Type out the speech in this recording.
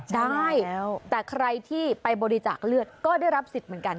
ได้แต่ใครที่ไปบริจาคเลือดก็ได้รับสิทธิ์เหมือนกัน